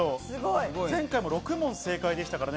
前回も６問正解でしたからね。